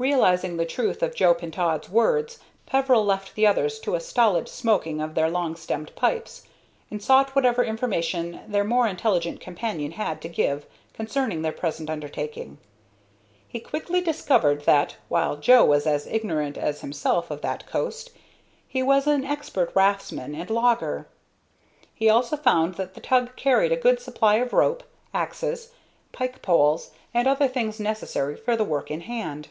Realizing the truth of Joe Pintaud's words, Peveril left the others to a stolid smoking of their long stemmed pipes, and sought whatever information their more intelligent companion had to give concerning their present undertaking. He quickly discovered that, while Joe was as ignorant as himself of that coast, he was an expert raftsman and logger. He also found that the tug carried a good supply of rope, axes, pike poles, and other things necessary for the work in hand.